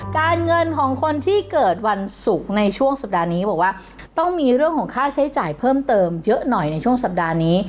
การเงินของคนที่เกิดวันศุกร์ในช่วงสัปดาห์นี้ก็บอกว่าต้องมีเรื่องของค่าใช้จ่ายเพิ่มเติมเยอะหน่อยในช่วงสัปดาห์นี้